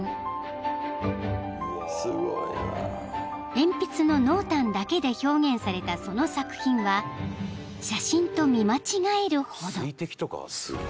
［鉛筆の濃淡だけで表現されたその作品は写真と見間違えるほど］